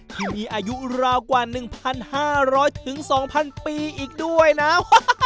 ที่มีอายุราวกว่า๑๕๐๐๒๐๐ปีอีกด้วยนะ